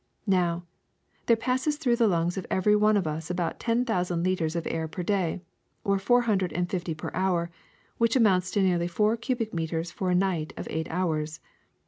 Now, there passes through the lungs of every one of us about ten thou sand liters of air per day, or four hundred and fifty per hour, which amounts to nearly four cubic meters for a night of eight hours.